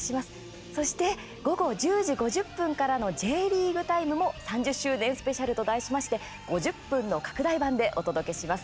そして、午後１０時５０分からの「Ｊリーグタイム」も３０周年スペシャルと題しまして５０分の拡大版でお届けします。